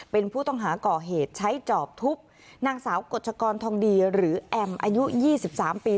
เป็นผู้ต้องหาก่อเหตุใช้จอบทุบนางสาวกฎชกรทองดีหรือแอมอายุ๒๓ปี